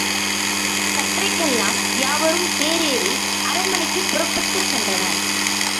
சற்றைக்கெல்லாம் யாவரும் தேரேறி அரண்மனைக்குப் புறப்பட்டுச் சென்றனர்.